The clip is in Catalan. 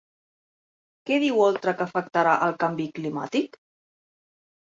Què diu Oltra que afectarà el canvi climàtic?